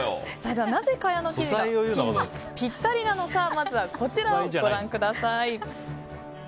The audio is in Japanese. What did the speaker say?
ではなぜ、蚊帳の生地がふきんにピッタリなのかまずは、こちらをご覧ください。